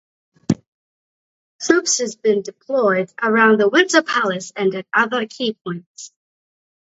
Troops had been deployed around the Winter Palace and at other key points.